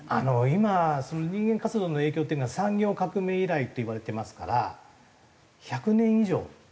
今人間活動の影響っていうのは産業革命以来といわれてますから１００年以上ですよね。